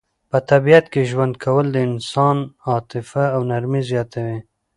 په طبیعت کې ژوند کول د انسان عاطفه او نرمي زیاتوي.